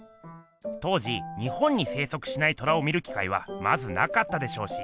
当時日本に生息しない虎を見る機会はまずなかったでしょうし。